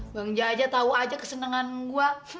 bang jaja tau aja kesenangan gua